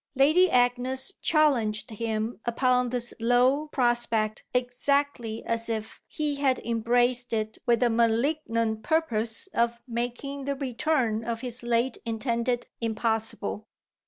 Lady Agnes challenged him upon this low prospect exactly as if he had embraced it with the malignant purpose of making the return of his late intended impossible.